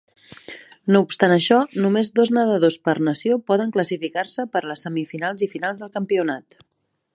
No obstant això, només dos nedadors per nació poden classificar-se per a les semifinals i finals del campionat.